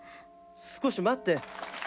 「少し待って」